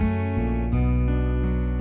aku mau ke rumah